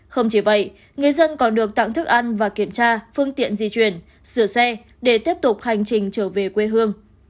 không chỉ vậy người dân còn được tặng thức ăn và kiểm tra phương tiện di chuyển sửa xe để tiếp tục hành trình trở về quê hương